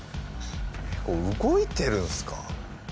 動いてるんすか？